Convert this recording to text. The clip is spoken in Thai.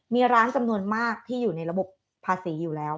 มีร้านจำนวนมากที่อยู่ในระบบภาษีอยู่แล้ว